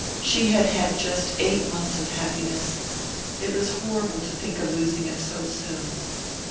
She had had just eight months of happiness it was horrible to think of losing it so soon....